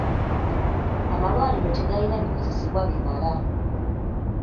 Amalwaliro tegalina bikozesebwa bimala.